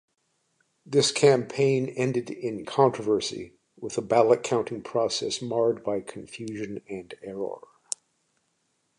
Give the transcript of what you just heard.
This campaign ended in controversy, with a ballot-counting process marred by confusion and error.